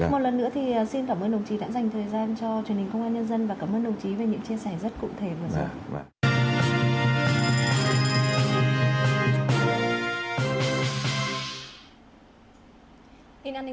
một lần nữa thì xin cảm ơn đồng chí đã dành thời gian cho truyền hình công an nhân dân và cảm ơn đồng chí về những chia sẻ rất cụ thể vừa rồi